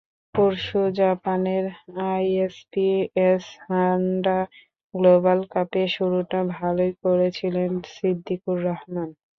পরশু জাপানের ISPS হান্ডা global কাপে শুরুটা ভালোই করেছিলেন সিদ্দিকুর রহমান।